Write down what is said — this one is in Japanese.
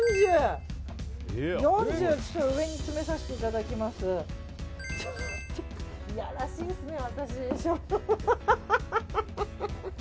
いやらしいですね、私。